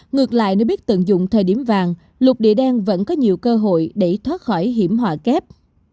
ngược lại nếu biết tận dụng thời điểm vàng lục địa đen vẫn có nhiều cơ hội để thoát khỏi hiểm họa kép